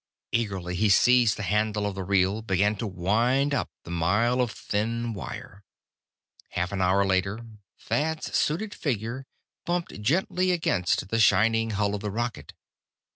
Eagerly he seized the handle of the reel; began to wind up the mile of thin wire. Half an hour later, Thad's suited figure bumped gently against the shining hull of the rocket.